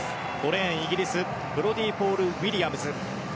５レーン、イギリスブロディー・ポール・ウィリアムズ。